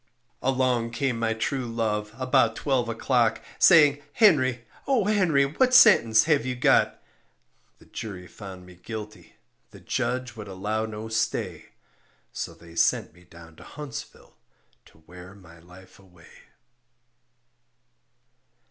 Along came my true love, about twelve o'clock, Saying, "Henry, O Henry, what sentence have you got?" The jury found me guilty, the judge would allow no stay, So they sent me down to Huntsville to wear my life away.